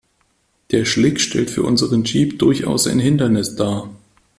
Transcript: Der Schlick stellt für unseren Jeep durchaus ein Hindernis dar.